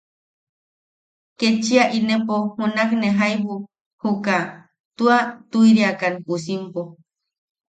Ketchia inepo junakne jaibu ka tua tuiriakan pusimpo.